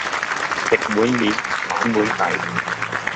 食碗面，反碗底